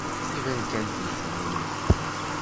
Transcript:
Iban kan tejjmem-t.